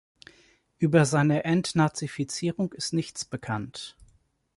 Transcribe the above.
Über seine Entnazifizierung ist nichts bekannt.